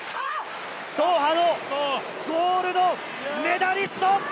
ドーハのゴールドメダリスト！